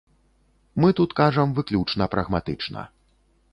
Мы тут кажам выключна прагматычна.